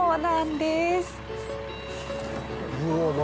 うわ何？